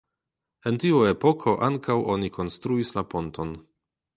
En tiu epoko ankaŭ oni konstruis la ponton.